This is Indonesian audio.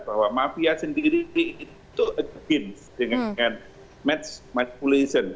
bahwa mafia sendiri itu against dengan match manipulation